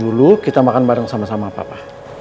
dulu kita makan bareng sama sama papa